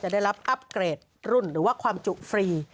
ได้รับอัพเกรดรุ่นหรือว่าความจุฟรี